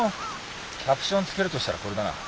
キャプション付けるとしたらこれだな。